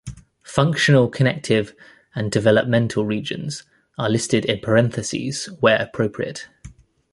Functional, connective, and developmental regions are listed in parentheses where appropriate.